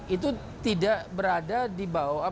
itu tidak berada di bawah